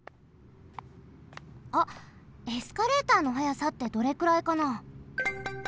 あっエスカレーターの速さってどれくらいかな？